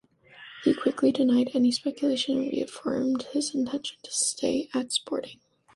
He quickly denied any speculation, and reaffirmed his intention to stay at Sporting.